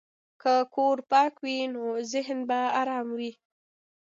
که کور پاک وي، نو ذهن به ارام وي.